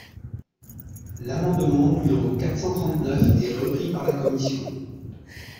L’amendement numéro quatre cent trente-neuf est repris par la commission.